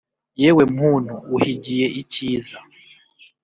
yewe muntu uhigiye icyiza